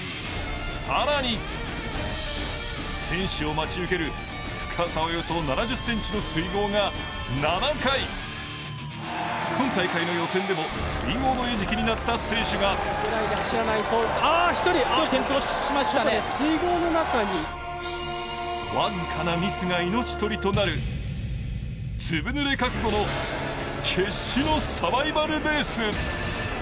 更に、選手を待ち受ける深さおよそ７０ｃｍの水濠が７回、今大会の予選でも水濠の餌食になった選手が僅かなミスが命取りとなるずぶ濡れ覚悟の決死のサバイバルレース。